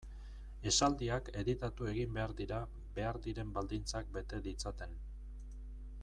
Esaldiak editatu egin behar dira behar diren baldintzak bete ditzaten.